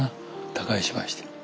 他界しまして。